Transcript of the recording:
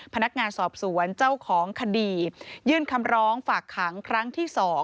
พนักงานสอบสวนเจ้าของคดียื่นคำร้องฝากขังครั้งที่๒